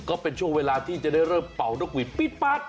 ก็เป็นช่วงเวลาที่จะได้เริ่มเป่านกหวีดปี๊ดปั๊ด